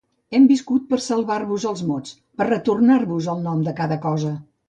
Hem viscut per salvar-vos els mots, per retornar-vos el nom de cada cosa.